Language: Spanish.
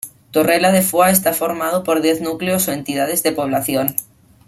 Torrellas de Foix está formado por diez núcleos o entidades de población.